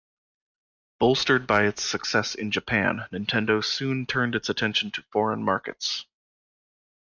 Bolstered by its success in Japan, Nintendo soon turned its attention to foreign markets.